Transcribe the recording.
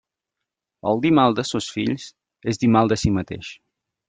El dir mal de sos fills és dir mal de si mateix.